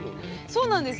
そうなんです。